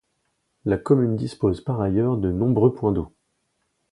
La commune dispose par ailleurs de nombreux points d'eau.